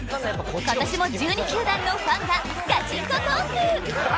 今年も１２球団のファンがガチンコトーク。